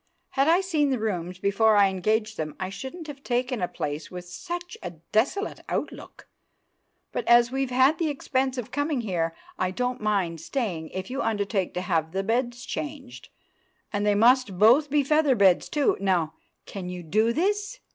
Had I seen the rooms before I engaged them I shouldn't have taken a place with such a desolate outlook; but as we've had the expense of coming here, I don't mind staying if you undertake to have the beds changed; and they must both be feather beds, too. Now, can you do this?"